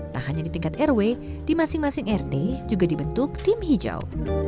tak hanya di tingkat rw di masing masing rt juga dibentuk tim hijau